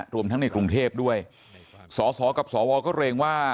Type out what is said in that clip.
รวมทั้งในกรุงเทพด้วยสสกับสวก็เกรงว่า